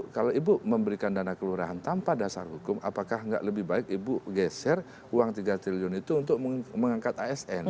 kalau ibu memberikan dana kelurahan tanpa dasar hukum apakah nggak lebih baik ibu geser uang tiga triliun itu untuk mengangkat asn